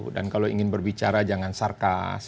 dan kalau ingin berbicara jangan sarkas